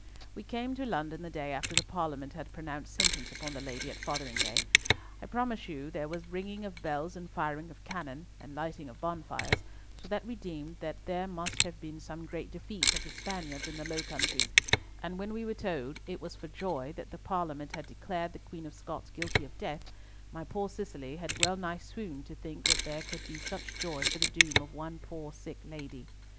"We came to London the day after the Parliament had pronounced sentence upon the Lady at Fotheringhay. I promise you there was ringing of bells and firing of cannon, and lighting of bonfires, so that we deemed that there must have been some great defeat of the Spaniards in the Low Countries; and when we were told it was for joy that the Parliament had declared the Queen of Scots guilty of death, my poor Cicely had well nigh swooned to think that there could be such joy for the doom of one poor sick lady.